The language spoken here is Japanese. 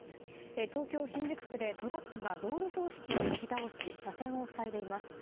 東京・新宿区でトラックが道路標識をなぎ倒し車線を塞いでいます。